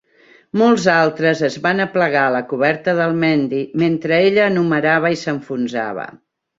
Molts altres es van aplegar a la coberta del "Mendi" mentre ella enumerava i s'enfonsava.